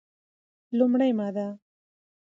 لومړې ماده: